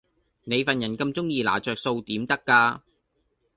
你份人咁鐘意拿着數點得架